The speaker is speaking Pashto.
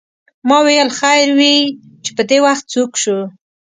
ما ویل خیر وې چې پدې وخت څوک شو.